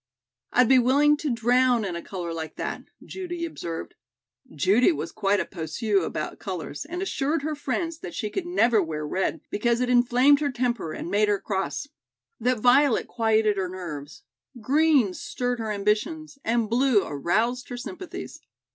"I'd be willing to drown in a color like that," Judy observed. Judy was quite a poseuse about colors and assured her friends that she could never wear red because it inflamed her temper and made her cross; that violet quieted her nerves; green stirred her ambitions, and blue aroused her sympathies.